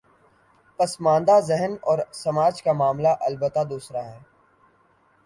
پس ماندہ ذہن اور سماج کا معاملہ البتہ دوسرا ہے۔